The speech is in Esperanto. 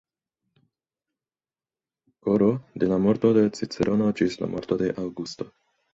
Kr., de la morto de Cicerono ĝis la morto de Aŭgusto.